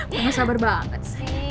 gue gak sabar banget sih